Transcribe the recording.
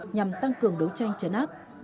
nhằm tăng cường đấu tranh chấn áp